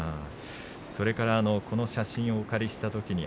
それから、この写真をお借りしたときに